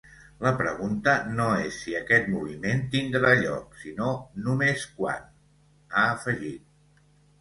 “La pregunta no és si aquest moviment tindrà lloc, sinó només quan”, ha afegit.